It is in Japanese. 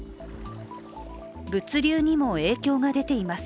物流にも影響が出ています。